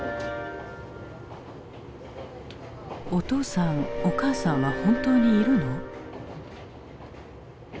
「お父さんお母さんは本当にいるの？」。